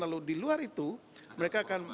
lalu di luar itu mereka akan